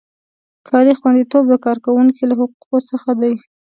کاري خوندیتوب د کارکوونکي له حقونو څخه دی.